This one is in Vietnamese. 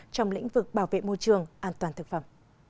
trong lĩnh vực bảo vệ môi trường an toàn thực phẩm